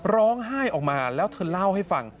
ร้องไห้ออกมาแล้วเธอเล่าให้ฟัง